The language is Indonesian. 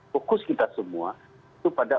fokus kita semua itu pada